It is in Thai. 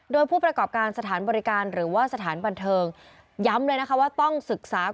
โดยผู้ประกอบการสถานบริการหรือว่าสถานบันเทิงย้ำเลยนะคะว่าต้องศึกษา